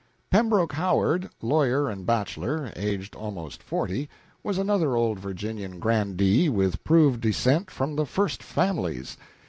Pembroke Howard, lawyer and bachelor, aged about forty, was another old Virginian grandee with proved descent from the First Families.